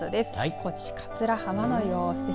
高知、桂浜の様子です。